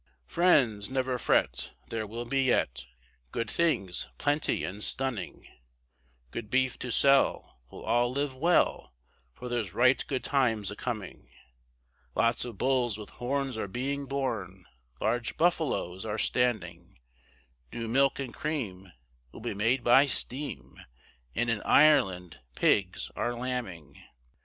Friends, never fret, there will be yet, Good things, plenty and stunning, Good beef to sell, we'll all live well, For there's right good times a coming. Lots of bulls with horns are being born, Large buffaloes are standing, New milk and cream will be made by steam, And in Ireland pigs are lambing.